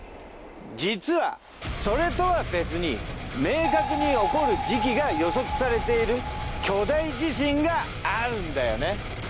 実はそれとは別に明確に起こる時期が予測されている巨大地震があるんだよね。